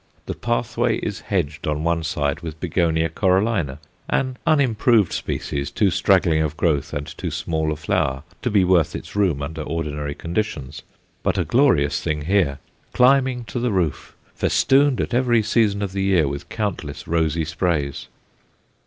The pathway is hedged on one side with Begonia coralina, an unimproved species too straggling of growth and too small of flower to be worth its room under ordinary conditions; but a glorious thing here, climbing to the roof, festooned at every season of the year with countless rosy sprays.